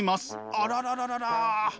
あららららら。